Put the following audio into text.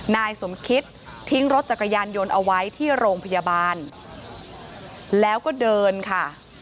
นายสมคิตทิ้งรถจักรยานยนต์เอาไว้ที่โรงพยาบาลแล้วก็เดินค่ะ